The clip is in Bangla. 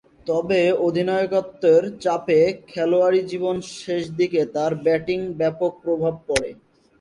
তবে, অধিনায়কত্বের চাপে খেলোয়াড়ী জীবনের শেষদিকে তার ব্যাটিংয়ে ব্যাপক প্রভাব পড়ে।